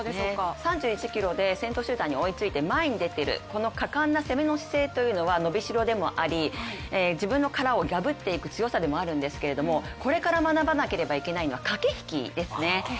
３１ｋｍで先頭集団に追いついて前に出てる、この果敢の攻めの姿勢は伸びしろでもあり自分の殻を破っていく強さでもあるんですけどこれから学ばなければいけないのは、駆け引きですね。